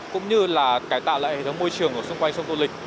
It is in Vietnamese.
cũng như là cải tạo lại hệ thống môi trường ở xung quanh sông tô lịch